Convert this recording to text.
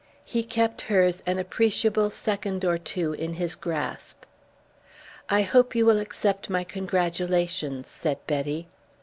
He kept hers an appreciable second or two in his grasp. "I hope you will accept my congratulations," said Betty.